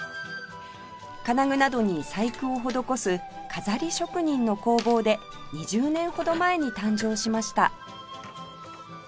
金具などに細工を施す錺職人の工房で２０年ほど前に誕生しました